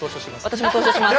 私も投書します。